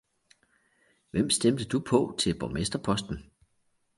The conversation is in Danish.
Hvem stemte du på til borgmesterposten?